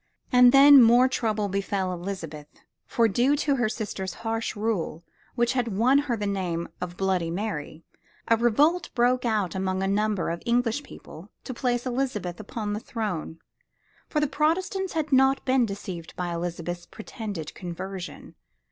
And then more trouble befell Elizabeth, for due to her sister's harsh rule which had won her the name of "Bloody Mary," a revolt broke out among a number of the English people to place Elizabeth upon the throne. For the Protestants had not been deceived by Elizabeth's pretended conversion.